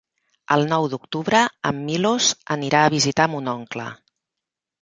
El nou d'octubre en Milos anirà a visitar mon oncle.